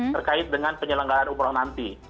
terkait dengan penyelenggaraan umroh nanti